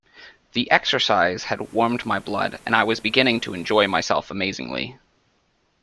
The exercise had warmed my blood, and I was beginning to enjoy myself amazingly.